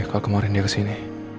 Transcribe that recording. kalo kemarin dia kesini